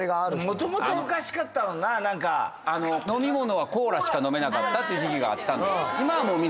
元々おかしかったもんな何か飲み物はコーラしか飲めなかったって時期があったんですよ